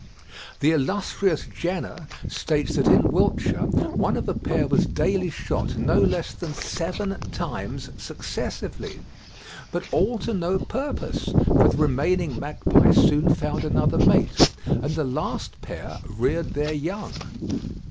The illustrious Jenner states that in Wiltshire one of a pair was daily shot no less than seven times successively, "but all to no purpose, for the remaining magpie soon found another mate"; and the last pair reared their young.